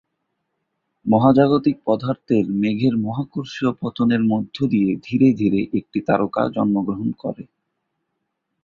মহাজাগতিক পদার্থের মেঘের মহাকর্ষীয় পতনের মধ্য দিয়ে ধীরে ধীরে একটি তারকা জন্মগ্রহণ করে।